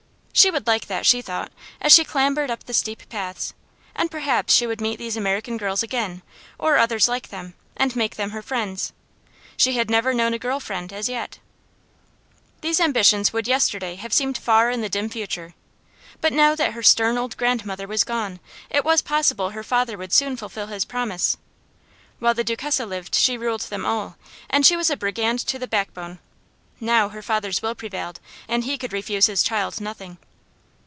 She would like that, she thought, as she clambered up the steep paths; and perhaps she would meet these American girls again, or others like them, and make them her friends. She had never known a girl friend, as yet. These ambitions would yesterday have seemed far in the dim future; but now that her stern old grandmother was gone it was possible her father would soon fulfill his promises. While the Duchessa lived she ruled them all, and she was a brigand to the backbone. Now her father's will prevailed, and he could refuse his child nothing.